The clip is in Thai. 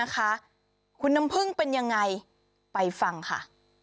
คุณน้ำพึ่งเป็นยังไงไปฟังค่ะ